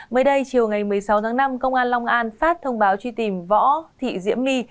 mới đây chiều ngày một mươi sáu tháng năm công an long an phát thông báo truy tìm võ thị diễm my